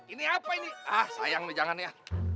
ini apa ini ah sayang nih jangan ya